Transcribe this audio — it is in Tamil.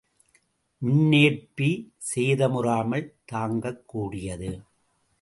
மின்னேற்பி சேதமுறாமல் தாங்கக் கூடியது.